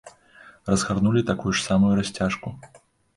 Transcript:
Разгарнулі такую ж самую расцяжку.